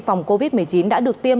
phòng covid một mươi chín đã được tiêm